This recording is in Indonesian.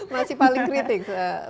masih paling kritis